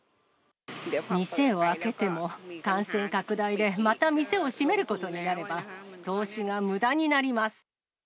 店を開けても感染拡大でまた店を閉めることになれば、投資がむだになります。